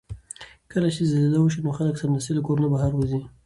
کله چې زلزله وشي نو خلک سمدستي له کورونو بهر وځي.